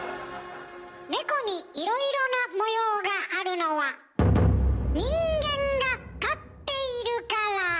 猫にいろいろな模様があるのは人間が飼っているから。